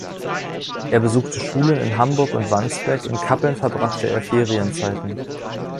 Er besuchte Schulen in Hamburg und Wandsbek, in Kappeln verbrachte er Ferienzeiten.